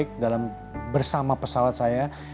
kami masuk dalam bersama pesawat saya